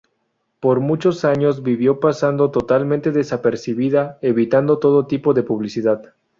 Por muchos años vivió pasando totalmente desapercibida, evitando todo tipo de publicidad.